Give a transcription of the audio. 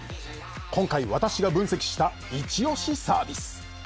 今回私が分析したイチ押しサービス。